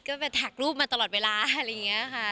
ก็ไปทักรูปมาตลอดเวลาอะไรอย่างนี้ค่ะ